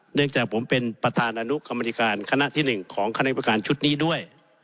เนื่องจากผมเป็นประธานอนุกรรมธิการคณะที่๑ของคณะประการชุดนี้ด้วย